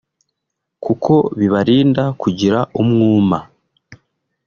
kuko bibarinda kugira umwuma